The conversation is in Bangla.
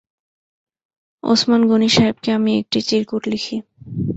ওসমান গনি সাহেবকে আমি একটি চিরকুট লিখি।